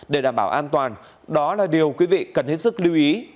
để đảm bảo an toàn đó là điều quý vị cần hết sức lưu ý